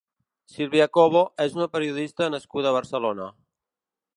Silvia Cobo és una periodista nascuda a Barcelona.